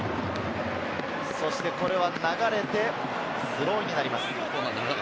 そしてこれは流れて、スローインになります。